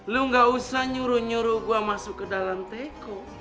lu gak usah nyuruh nyuruh gua masuk ke dalam teko